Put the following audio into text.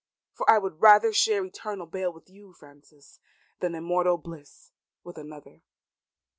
For I would rather share eternal bale with you, Frances, than immortal bliss with another."